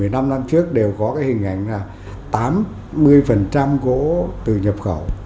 một mươi một mươi năm năm trước đều có hình ảnh là tám mươi gỗ từ nhập khẩu